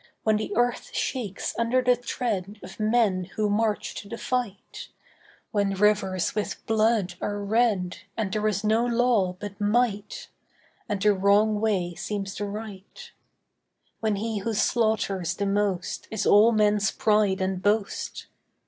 When the earth shakes under the tread Of men who march to the fight, When rivers with blood are red And there is no law but might, And the wrong way seems the right; When he who slaughters the most Is all men's pride and boast.